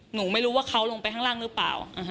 หนูไม่รู้ว่าเขาลงไปข้างล่างหรือเปล่า